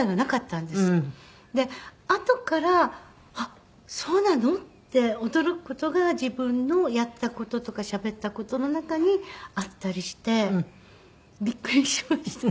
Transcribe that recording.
であとからあっそうなの？って驚く事が自分のやった事とかしゃべった事の中にあったりしてびっくりしました。